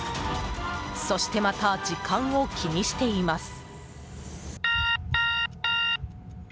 そしてまた、時間を気にしています。